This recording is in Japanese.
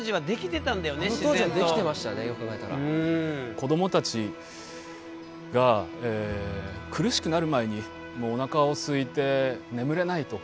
子どもたちが苦しくなる前にもうおなかすいて眠れないとか